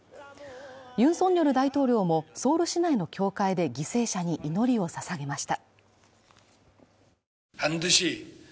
ユン・ソンニョル大統領もソウル市内の教会で犠牲者に祈りをささげました。